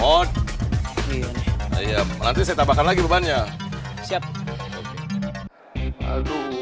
om kejam banget sih